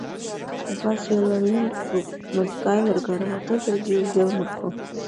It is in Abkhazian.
Убас еиларҩынтуп, мызкы аилыргара уаҿызаргьы иузеилмырго…